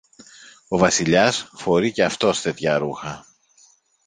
Ο Βασιλιάς φορεί και αυτός τέτοια ρούχα.